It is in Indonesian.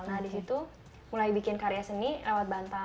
nah di situ mulai bikin karya seni lewat bantal